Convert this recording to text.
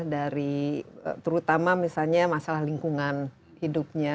dari terutama misalnya masalah lingkungan hidupnya